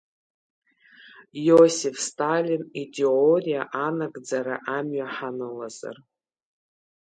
Иосиф Сталин итеориа анагӡара амҩа ҳанылазар?